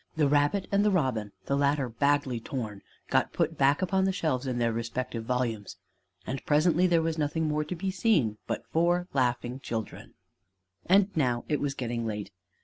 The rabbit and the robin, the latter badly torn, got put back upon the shelves in their respective volumes. And presently there was nothing more to be seen but four laughing children. And now it was getting late.